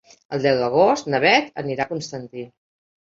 El deu d'agost na Beth anirà a Constantí.